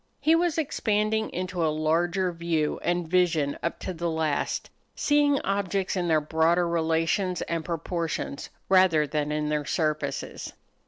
He was expanding into a larger view and vision up to the last seeing objects in their broader relations and proportions rather than in their surfaces.